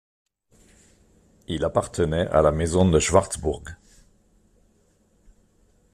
Il appartenait à la maison de Schwarzbourg.